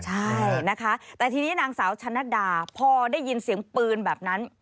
ใช่นะคะแต่ทีนี้นางสาวชะนัดดาพอได้ยินเสียงปืนแบบนั้น